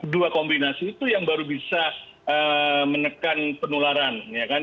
dua kombinasi itu yang baru bisa menekan penularan